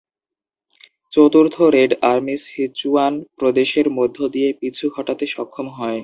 চতুর্থ Red Army Sichuan প্রদেশের মধ্য দিয়ে পিছু হটতে সক্ষম হয়।